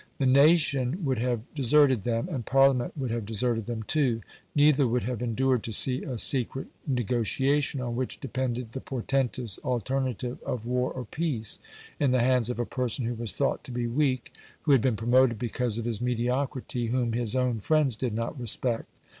The nation would have deserted them, and Parliament would have deserted them, too; neither would have endured to see a secret negotiation, on which depended the portentous alternative of war or peace, in the hands of a person who was thought to be weak who had been promoted because of his mediocrity whom his own friends did not respect.